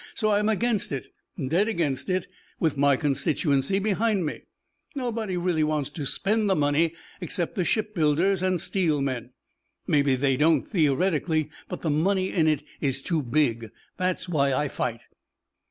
So I'm against it. Dead against it with my constituency behind me. Nobody really wants to spend the money except the shipbuilders and steel men. Maybe they don't, theoretically. But the money in it is too big. That's why I fight."